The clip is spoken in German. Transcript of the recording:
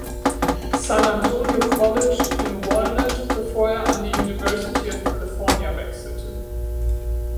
San Antonio College in Walnut, bevor er an die University of California wechselte.